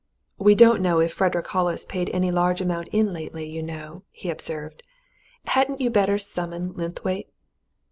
"We don't know if Frederick Hollis paid any large amount in lately, you know," he observed. "Hadn't you better summon Linthwaite?"